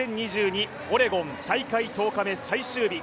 オレゴン、大会１０日目最終日。